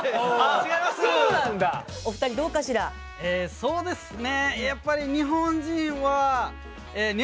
そうですね。